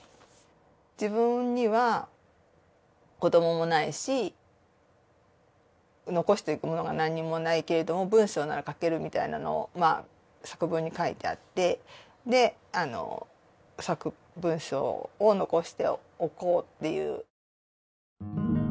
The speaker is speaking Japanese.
自分には子どももないし残していくものが何もないけれども文章なら書けるみたいなのを作文に書いてあって文章を残しておこうという。